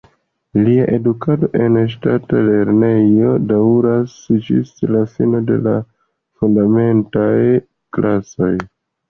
Lia edukado en ŝtata lernejo daŭris ĝis la fino de la fundamentaj klasoj.